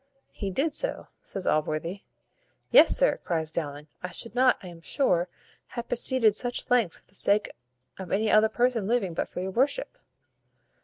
"He did so?" says Allworthy. "Yes, sir," cries Dowling; "I should not, I am sure, have proceeded such lengths for the sake of any other person living but your worship."